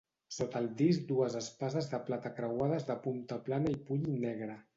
Sota el disc dues espases de plata creuades de punta plana i puny negre.